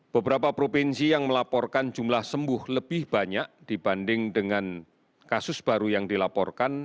beberapa provinsi yang melaporkan jumlah sembuh lebih banyak dibanding dengan kasus baru yang dilaporkan